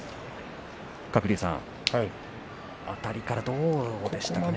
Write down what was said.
鶴竜さんあたりからどうでしたか。